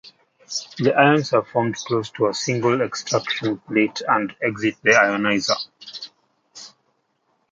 The ions are formed close to a single extraction plate and exit the ionizer.